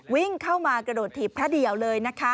วิ่งเข้ามากระโดดถีบพระเดี่ยวเลยนะคะ